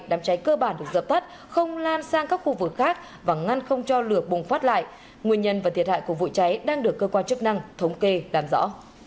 đám cháy cơ bản được dập tắt không lan sang các khu vực khác và ngăn không cho lửa bùng phát lại nguyên nhân và thiệt hại của vụ cháy đang được cơ quan chức năng thống kê làm rõ